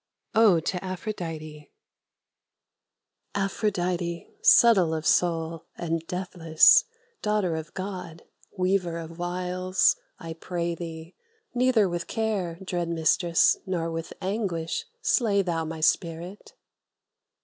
ODE TO APHRODITE Aphrodite, subtle of soul and deathless, Daughter of God, weaver of wiles, I pray thee Neither with care, dread Mistress, nor with anguish, Slay thou my spirit!